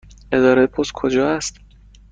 اداره پست کجا است؟